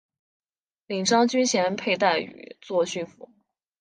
领章军衔佩戴于作训服。